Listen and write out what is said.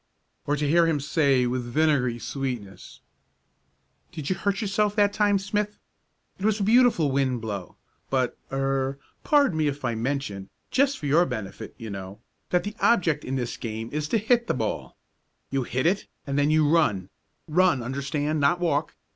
Or to hear him say with vinegary sweetness: "Did you hurt yourself that time, Smith? It was a beautiful wind blow, but er pardon me if I mention, just for your benefit you know, that the object in this game is to hit the ball. You hit it, and then you run run, understand, not walk.